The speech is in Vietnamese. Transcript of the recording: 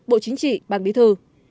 bộ chính trị ban bí thư